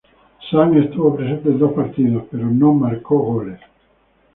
Sam estuvo presente en dos partidos, pero no convirtió goles.